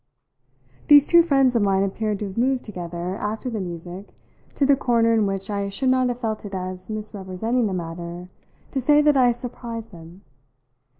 These two friends of mine appeared to have moved together, after the music, to the corner in which I should not have felt it as misrepresenting the matter to say that I surprised them.